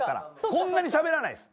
こんなにしゃべらないです